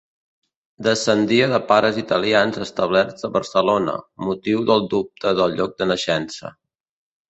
Descendia de pares italians establerts a Barcelona, motiu del dubte del lloc de naixença.